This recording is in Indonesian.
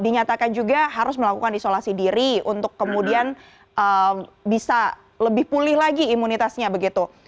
dinyatakan juga harus melakukan isolasi diri untuk kemudian bisa lebih pulih lagi imunitasnya begitu